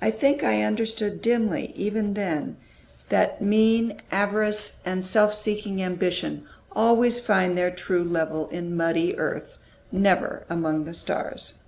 I think I understood dimly, even then, that mean avarice and self seeking ambition always find their true level in muddy earth, never among the stars.